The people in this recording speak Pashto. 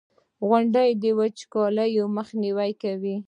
• غونډۍ د وچکالۍ مخنیوی کوي.